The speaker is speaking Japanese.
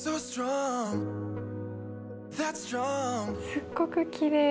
すっごくきれい。